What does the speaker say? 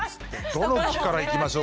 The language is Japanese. どの期からいきましょうか？